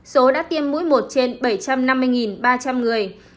số đã tiêm mũi một trên một một triệu liều tỉ lệ tiêm trên hai sáu triệu liều